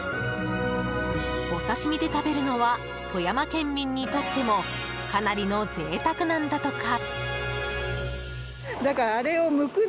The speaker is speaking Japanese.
お刺し身で食べるのは富山県民にとってもかなりの贅沢なんだとか。